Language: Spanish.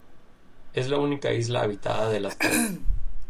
Es la única isla habitada de las tres.